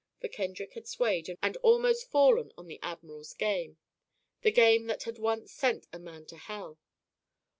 For Kendrick had swayed and almost fallen on the admiral's game the game that had once sent a man to hell.